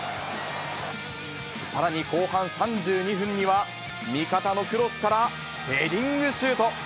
さらに、後半３２分には、味方のクロスから、ヘディングシュート。